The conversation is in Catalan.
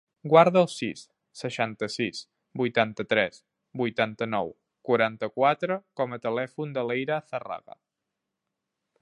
Guarda el sis, seixanta-sis, vuitanta-tres, vuitanta-nou, quaranta-quatre com a telèfon de l'Eira Zarraga.